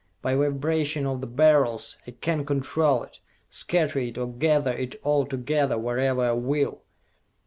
By vibration of the Beryls I can control it, scatter it or gather it all together wherever I will!